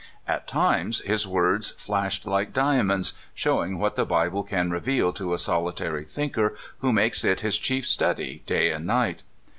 At times his words flashed hke diamonds, showing what the Bible can reveal to a solitary thinker who makes it his chief study day and night.